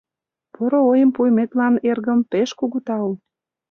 — Поро ойым пуыметлан, эргым, пеш кугу тау.